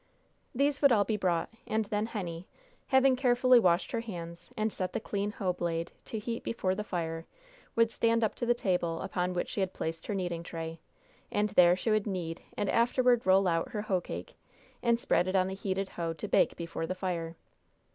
These would all be brought, and then Henny, having carefully washed her hands, and set the clean hoe blade to heat before the fire, would stand up to the table upon which she had placed her kneading tray, and there she would knead and afterward roll out her hoe cake, and spread it on the heated hoe to bake before the fire.